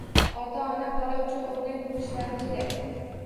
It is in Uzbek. Ota-ona bola uchun o‘rnak bo‘lishlari kerak.